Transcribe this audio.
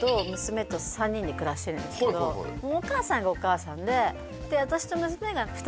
今お母さんがお母さんでああ